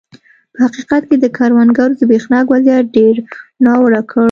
په حقیقت کې د کروندګرو زبېښاک وضعیت ډېر ناوړه کړ.